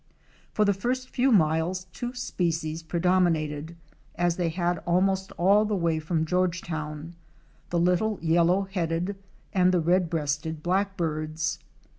For the first few miles two species predominated —as they had almost all the way from Georgetown —the Little Yellow headed * and the Red breasted Blackbirds.